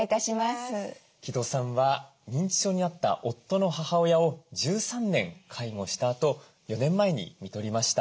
城戸さんは認知症になった夫の母親を１３年介護したあと４年前にみとりました。